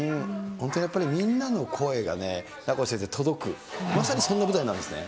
本当やっぱり、みんなの声が名越先生、届く、まさにそんな舞台なんですね。